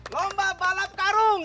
lomba balap karung